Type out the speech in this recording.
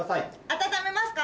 温めますか？